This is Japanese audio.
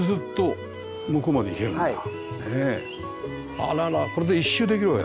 あららこれで一周できるわけだ。